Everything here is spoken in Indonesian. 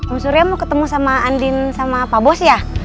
bu surya mau ketemu sama andin sama pak bos ya